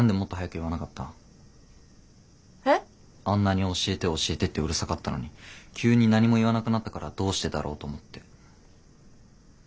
あんなに「教えて教えて」ってうるさかったのに急に何も言わなくなったからどうしてだろうと思って。